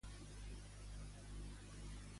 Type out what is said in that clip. Quan hi haurà la segona trobada de l'Espai de Diàleg?